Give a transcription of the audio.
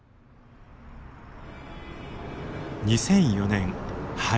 ２００４年春。